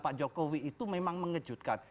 pak jokowi itu memang mengejutkan